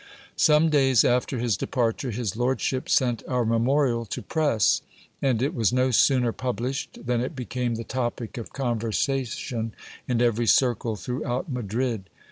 Some days after his departure his lordship sent our memorial to press ; and it was no sooner published than it became the topic of conversation in every circle throughout Madrid.